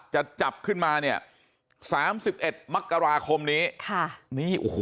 จะจับขึ้นมา๓๑มักราคมนี้